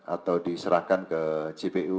atau diserahkan ke jpu